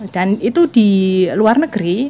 dan itu di luar negeri